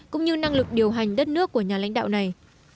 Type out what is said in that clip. cũng như năng lực điều hành đất nước của nhà lãnh đạo này